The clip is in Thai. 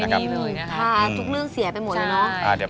อะทุกเรื่องเสียไปหมดแล้วนะ